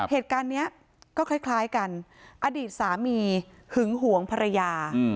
เหตุการณ์นี้ก็คล้ายกันอดีตสามีหึงหวงภรรยา